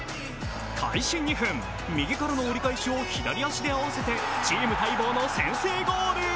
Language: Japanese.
開始２分、右からの折り返しを左足で合わせてチーム待望の先制ゴール。